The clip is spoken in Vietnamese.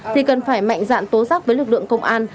thì cần phải mạnh dạn tố giác với lực lượng công an